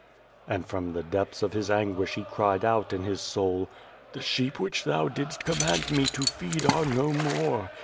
And from the depths of his anguish he cried out in his soul: "The sheep which Thou didst command me to feed are no more.